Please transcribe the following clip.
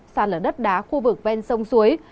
sàn lở đất đá khu vực ven sông suối